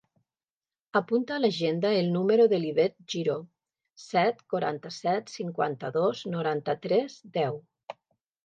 Apunta a l'agenda el número de l'Ivette Giro: set, quaranta-set, cinquanta-dos, noranta-tres, deu.